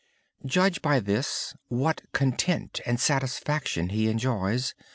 Judge by this what content and satisfaction he enjoys.